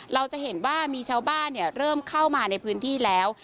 เราจะเห็นว่ามีชาวบ้านเริ่มเข้ามาในพื้นที่แล้ว